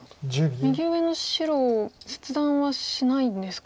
右上の白を切断はしないんですか。